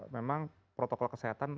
memang protokol kesehatan